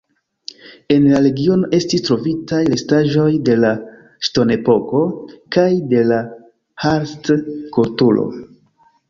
En la regiono estis trovitaj restaĵoj de la ŝtonepoko kaj de la Hallstatt-kulturo.